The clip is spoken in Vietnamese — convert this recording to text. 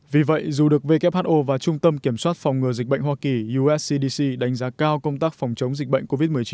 vì vậy dù được who và trung tâm kiểm soát phòng ngừa dịch bệnh hoa kỳ uscdc đánh giá cao công tác phòng chống dịch bệnh covid một mươi chín